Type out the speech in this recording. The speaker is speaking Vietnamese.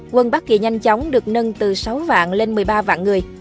quân bác kỳ nhanh chóng được nâng từ sáu vạn lên một mươi ba vạn người